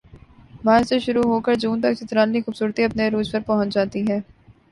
مارچ سے شروع ہوکر جون تک چترال کی خوبصورتی اپنے عروج پر پہنچ جاتی ہے